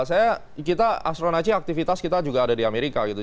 saya kita astronaci aktivitas kita juga ada di amerika gitu